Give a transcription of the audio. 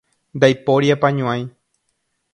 Ndaipóri apañuái.